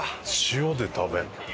塩で食べるんだ。